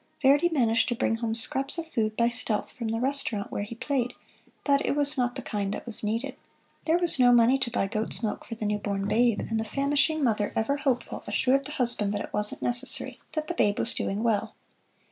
Verdi managed to bring home scraps of food by stealth from the restaurant where he played, but it was not the kind that was needed. There was no money to buy goat's milk for the new born babe, and the famishing mother, ever hopeful, assured the husband it wasn't necessary that the babe was doing well.